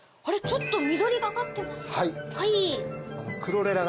ちょっと緑がかってます。